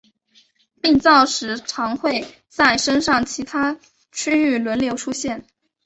病灶时常会在身上其他区域轮流出现。